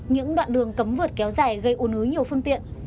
những đoạn đường cấm vượt kéo dài gây ồn ứ nhiều phương tiện